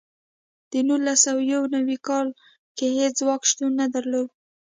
د نولس سوه یو نوي کال کې هېڅ ځواک شتون نه درلود.